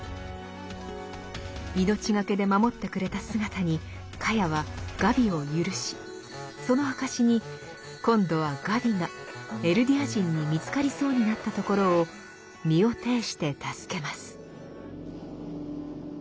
命懸けで守ってくれた姿にカヤはガビを赦しその証しに今度はガビがエルディア人に見つかりそうになったところを身を挺して助けます。